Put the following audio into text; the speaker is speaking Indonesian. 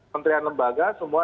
menterian lembaga semua